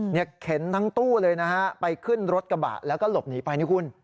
เข็นทั้งตู้เลยนะฮะไปขึ้นรถกระบะแล้วก็หลบหนีไปนี่คุณ